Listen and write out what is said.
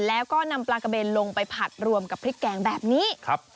แล้วก็นำปลากระเบนลงไปผัดรวมกับพริกแกงแบบนี้ครับ